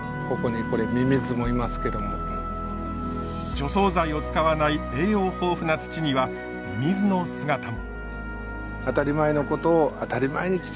除草剤を使わない栄養豊富な土にはミミズの姿も。